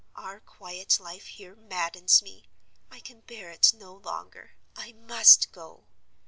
Our quiet life here maddens me; I can bear it no longer; I must go.